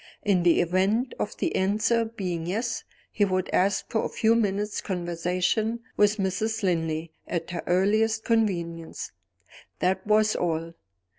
In the event of the answer being Yes, he would ask for a few minutes' conversation with Mrs. Linley, at her earliest convenience. That was all.